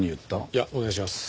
いやお願いします。